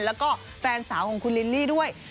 และแฟนสาวของคุณลิดลิด้วย